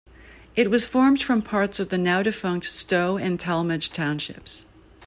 It was formed from parts of the now-defunct Stow and Tallmadge townships.